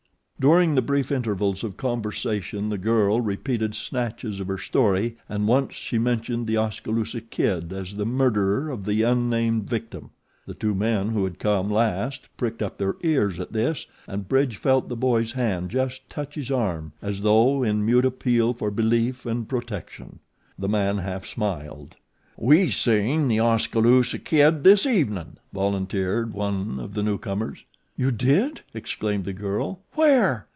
During the brief intervals of conversation the girl repeated snatches of her story and once she mentioned The Oskaloosa Kid as the murderer of the unnamed victim. The two men who had come last pricked up their ears at this and Bridge felt the boy's hand just touch his arm as though in mute appeal for belief and protection. The man half smiled. "We seen The Oskaloosa Kid this evenin'," volunteered one of the newcomers. "You did?" exclaimed the girl. "Where?"